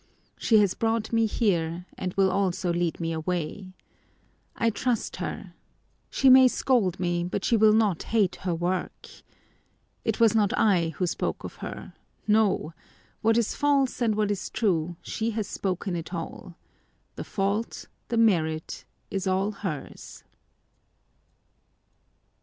She has brought me here and will also lead me away. I trust her. She may scold me, but she will not hate her work. It was not I who spoke of her. No! What is false and what is true, she has spoken it all. The fault, the merit, is all hers.